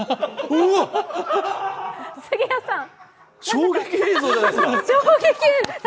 衝撃映像じゃないですか。